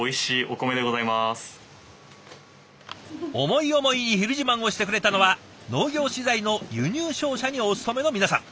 思い思いに「ひる自慢」をしてくれたのは農業資材の輸入商社にお勤めの皆さん。